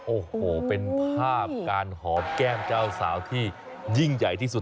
โอ้โหเป็นภาพการหอมแก้มเจ้าสาวที่ยิ่งใหญ่ที่สุด